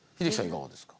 いかがですか。